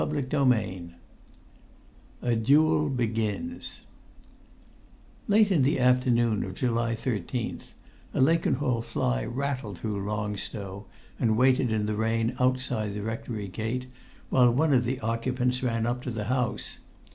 [Pg 89] IX A DUEL BEGINS Late in the afternoon of July 13, a Lakenhall fly rattled through Long Stow, and waited in the rain outside the rectory gate while one of the occupants ran up to the house.